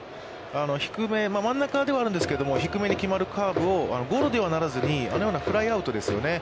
低め、真ん中ではあるんですけど、低めに決まるカーブを、ゴロにはならずにあのようなフライアウトですよね。